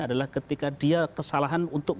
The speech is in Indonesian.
adalah ketika dia kesalahan untuk